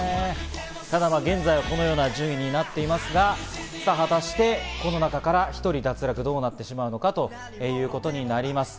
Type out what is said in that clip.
ただ現在、このような順位になっていますが、果たして、この中から１人脱落、どうなってしまうのかということになります。